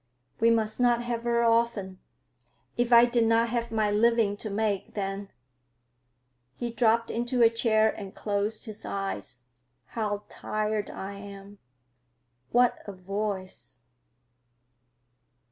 We must not have her often. If I did not have my living to make, then—" he dropped into a chair and closed his eyes. "How tired I am. What a voice!"